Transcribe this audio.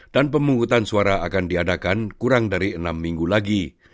dan pemungutan suara akan diadakan kurang dari enam minggu lagi